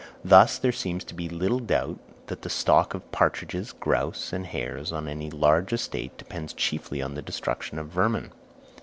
Thus, there seems to be little doubt that the stock of partridges, grouse, and hares on any large estate depends chiefly on the destruction of vermin.